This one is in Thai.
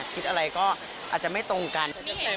คิดอะไรก็อาจจะไม่ตรงกัน